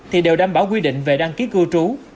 thì đều đảm bảo quy định về đăng ký cư trú